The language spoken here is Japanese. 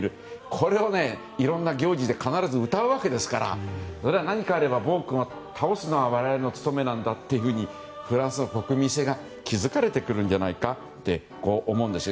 これをいろんな行事で必ず歌うわけですからそれは何かあれば暴君は倒すのが我々の務めだとフランスの国民性が築かれてくるんじゃないかと思うんです。